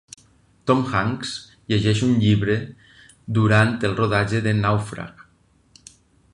Tom Hanks llegeix un llibre durant el rodatge de Nàufrag.